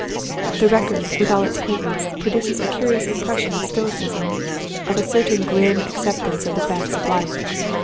The record, with all its quaintness, produces a curious impression of stoicism—of a certain grim acceptance of the facts of life.